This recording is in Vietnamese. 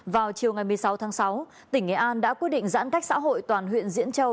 vào chiều ngày một mươi sáu tháng sáu tỉnh nghệ an đã quyết định giãn cách xã hội toàn huyện diễn châu